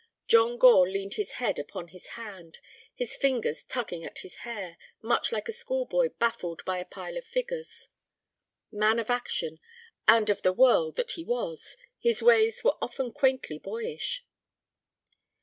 John Gore leaned his head upon his hand, his fingers tugging at his hair, much like a school boy baffled by a pile of figures. Man of action, and of the world that he was, his ways were often quaintly boyish.